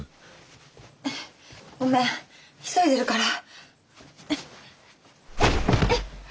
ごめん急いでるから。